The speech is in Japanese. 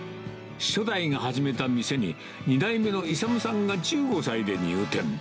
初代が始めた店に、２代目の勇さんが１５歳で入店。